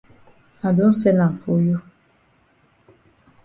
I don sen am for you.